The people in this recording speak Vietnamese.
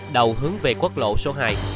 đầu hướng về quốc lộ số hai